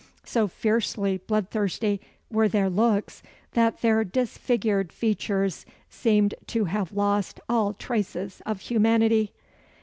So fiercely bloodthirsty were their looks that their disfigured features seemed to have lost all traces of humanity.